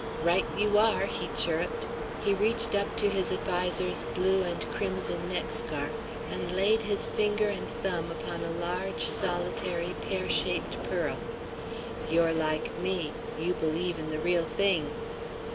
"Right you are!" he chirruped. He reached up to his adviser's blue and crimson neck scarf, and laid his finger and thumb upon a large, solitary pear shaped pearl. "You're like me; you believe in the real thing."